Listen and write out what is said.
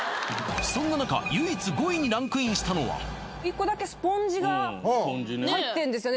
そんな中唯一５位にランクインしたのは１個だけスポンジが入ってるんですよね